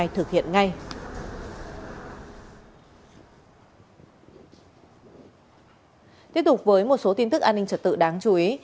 tiếp tục với một số tin tức an ninh trật tự đáng chú ý